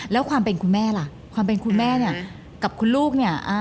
แล้วความเป็นคุณแม่ล่ะความเป็นคุณแม่เนี่ยกับคุณลูกเนี่ย